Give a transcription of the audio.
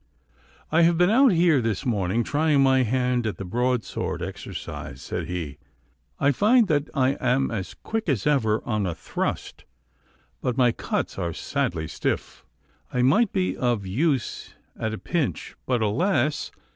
'I have been out here this morning trying my hand at the broadsword exercise, 'said he; 'I find that I am as quick as ever on a thrust, but my cuts are sadly stiff. I might be of use at a pinch, but, alas!